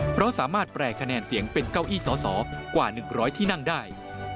เพราะสามารถแปลคะแนนเสียงเป็นเก้าอี้สอสอกว่า๑๐๐ที่นั่งได้